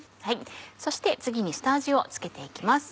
そして次に下味を付けて行きます。